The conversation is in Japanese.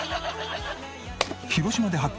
広島で発見！